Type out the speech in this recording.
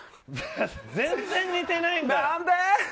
全然似てないんだよ。